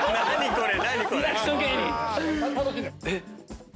これ。